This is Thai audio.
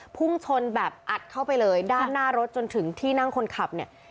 พุ่งชนแบบอัดเข้าไปเลยด้านหน้ารถจนถึงที่นั่งคนขับเนี่ย